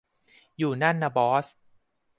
อยู่นั่นนะบอส